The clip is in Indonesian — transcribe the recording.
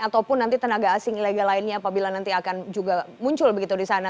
ataupun nanti tenaga asing ilegal lainnya apabila nanti akan juga muncul begitu di sana